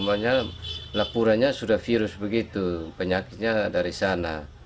makanya laporannya sudah virus begitu penyakitnya dari sana